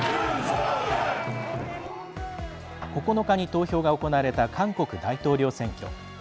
９日に投票が行われた韓国大統領選挙。